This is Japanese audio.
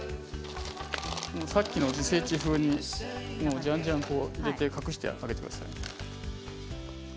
さっきの自生地風にじゃんじゃん入れて隠してあげてください。